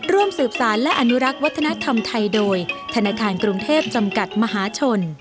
ร่วมสืบสารและอนุรักษ์วัฒนธรรมไทยโดยธนาคารกรุงเทพจำกัดมหาชน